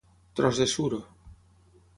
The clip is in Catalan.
Tros de suro.